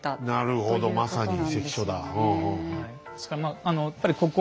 なるほどまさに関所だ。